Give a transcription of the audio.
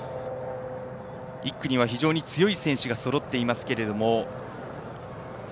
１区には非常に強い選手がそろっています。